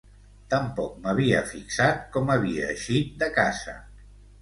Tampoc m'havia fixat com havia eixit de casa.